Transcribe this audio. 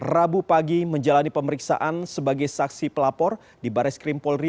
rabu pagi menjalani pemeriksaan sebagai saksi pelapor di baris krim polri